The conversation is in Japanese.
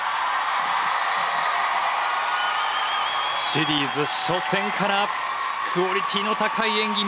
シリーズ初戦からクオリティーの高い演技見せてきました！